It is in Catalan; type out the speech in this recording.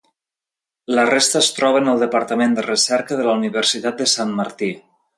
La resta es troba en el Departament de Recerca de la Universitat de Sant Martí.